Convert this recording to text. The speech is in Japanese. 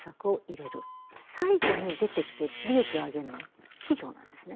最後に出てきて利益を上げるのは企業なんですね。